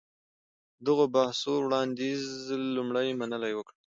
د دغو بحثو وړانديز لومړی منلي وکړ.